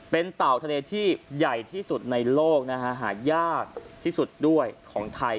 เป็นเต่าทะเลที่ใหญ่ที่สุดในโลกนะฮะหายากที่สุดด้วยของไทย